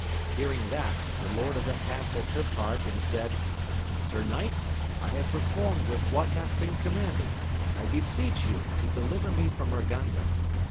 Hearing that the lord of the castle took heart, and said, Sir knight, I have performed with what hath been commanded, I beseech you to deliver me from Urganda.